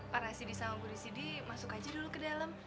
pak rasidi sama bu risidi masuk aja dulu ke dalam